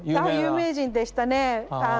あ有名人でしたね。